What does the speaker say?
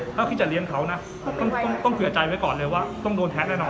ถ้าคิดจะเลี้ยงเขานะต้องเผื่อใจไว้ก่อนเลยว่าต้องโดนแท้แน่นอน